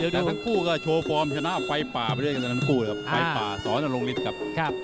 เดี๋ยวนั้นทั้งคู่ก็โชว์ฟอร์มชนะไฟป่าไปด้วยกันทั้งคู่ครับไฟป่าสอนรงฤทธิ์ครับ